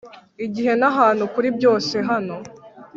igihe n'ahantu kuri byose - hano